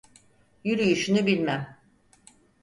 Yürüyüşünü bilmem…